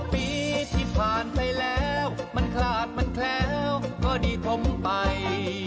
ปีที่ผ่านไปแล้วมันคลาดมันแคล้วก็ดีผมไป